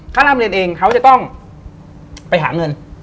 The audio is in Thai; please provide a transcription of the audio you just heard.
เขานำเรียนเองเขาจะต้องไปหาเงิน